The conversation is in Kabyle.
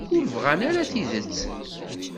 Ur bɣan ara tidet.